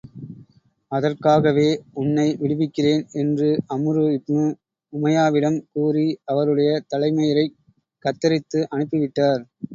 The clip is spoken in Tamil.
அதற்காகவே, உன்னை விடுவிக்கிறேன் என்று அம்ரு இப்னு உமையாவிடம் கூறி, அவருடைய தலை மயிரைக் கத்தரித்து அனுப்பி விட்டார்.